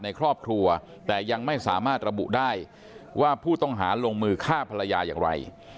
ในครอบครัวแต่ยังไม่สามารถระบุได้ว่าผู้ต้องหาลงมือฆ่าภรรยาอย่างไร